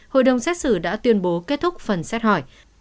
hội đồng xét xử đã tuyên bố kết thúc phần xét hỏi